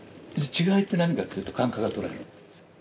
違いって何かっていうと感覚が捉える。